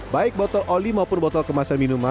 baik botol oli maupun botol plastik ini juga harus digilingkan